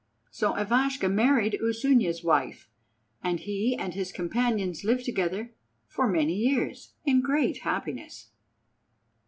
So Ivashka married Usunia's wife, and he and his companions lived together for many years in great happiness.